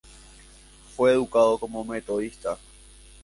Fue educado como metodista.